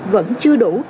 vẫn chưa đủ